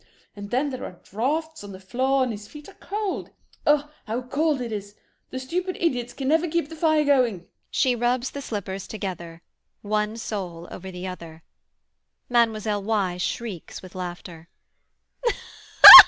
And then there are draughts on the floor and his feet are cold. "Ugh, how cold it is; the stupid idiots can never keep the fire going." [She rubs the slippers together, one sole over the other.] MLLE. Y. [Shrieks with laughter.